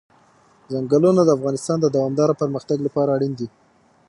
ځنګلونه د افغانستان د دوامداره پرمختګ لپاره اړین دي.